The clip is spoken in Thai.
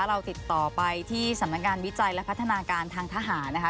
เราติดต่อไปที่สำนักงานวิจัยและพัฒนาการทางทหารนะคะ